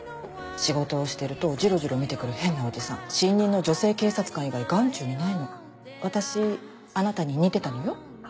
仕事をしてるとジロジロ見て新任の女性警察官以外眼中にないの私あなたに似てたのよ